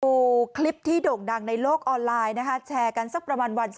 ดูคลิปที่โด่งดังในโลกออนไลน์นะคะแชร์กันสักประมาณวัน